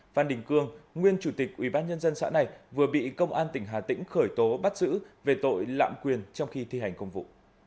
phan đình cương nguyên chủ tịch ủy ban nhân dân xã này vừa bị công an tỉnh hà tĩnh khởi tố bắt giữ về tội lạm quyền trong khi thi hành công vụ